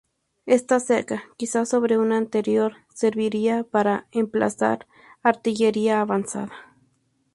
Esta cerca, quizá sobre una anterior, serviría para emplazar artillería avanzada.